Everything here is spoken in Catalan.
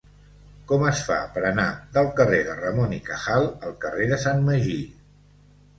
Com es fa per anar del carrer de Ramón y Cajal al carrer de Sant Magí?